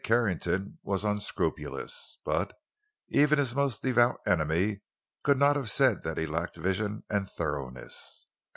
Carrington was unscrupulous, but even his most devout enemy could not have said that he lacked vision and thoroughness.